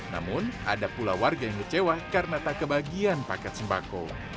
namun ada pula warga yang kecewa karena tak kebagian paket sembako